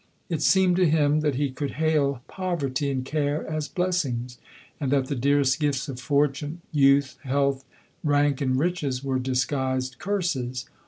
It seemed to him that he could hail poverty and care as blessings ; and that the dearest gifts of fortune— youth, health, rank, and riches— were disguised curses.